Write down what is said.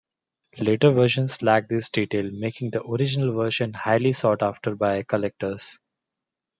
Later versions lack this detail, making the original version highly sought after by collectors.